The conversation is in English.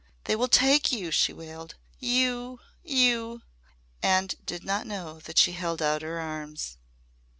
"They will take you!" she wailed. "You you!" And did not know that she held out her arms.